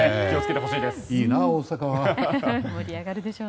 いいな大阪は。